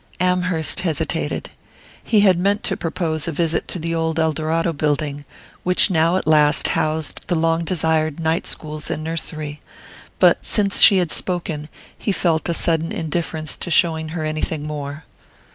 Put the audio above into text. Amherst hesitated. He had meant to propose a visit to the old Eldorado building, which now at last housed the long desired night schools and nursery; but since she had spoken he felt a sudden indifference to showing her anything more.